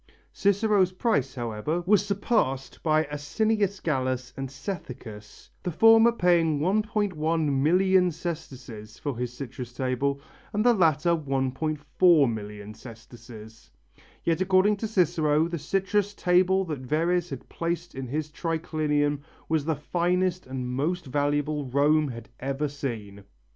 Cicero's price, however, was surpassed by Asinius Gallus and Cethegus, the former paying 1,100,000 sesterces for his citrus table and the latter 1,400,000 sesterces. Yet according to Cicero, the citrus table that Verres had placed in his triclinium was the finest and most valuable Rome had ever seen.